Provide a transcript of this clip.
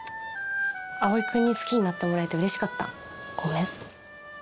蒼君に好きになってもらえてうれしかったごめん。